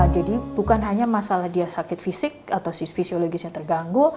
bukan hanya masalah dia sakit fisik atau fisiologisnya terganggu